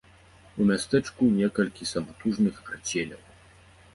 У мястэчку некалькі саматужных арцеляў.